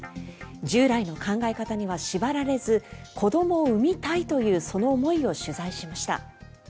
従来の考え方には縛られず子どもを産みたいというその思いを取材しました。